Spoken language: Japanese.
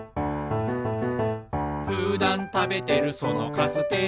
「ふだんたべてるそのカステラ」